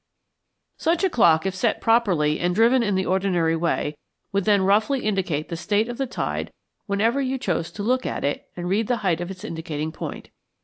Such a clock, if set properly and driven in the ordinary way, would then roughly indicate the state of the tide whenever you chose to look at it and read the height of its indicating point.